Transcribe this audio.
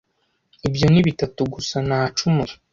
ibyo ni bitatu gusa nacumuye